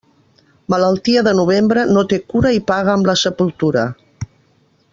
Malaltia de novembre no té cura i paga amb la sepultura.